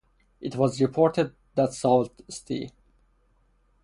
It was reported that Sault Ste.